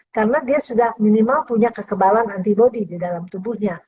karena dia sudah minimal punya kekebalan antibody di dalam tubuhnya